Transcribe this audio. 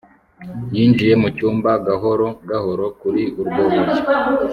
Yinjiye mu cyumba gahoro gahoro kuri urwo rugi